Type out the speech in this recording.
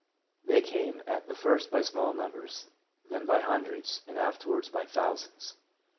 They came at the first by small numbers, then by hundreds, and afterwards by thousands.